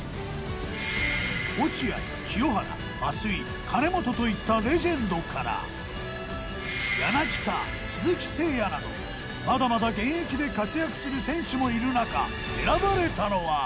落合清原松井金本といったレジェンドから柳田鈴木誠也などまだまだ現役で活躍する選手もいる中選ばれたのは。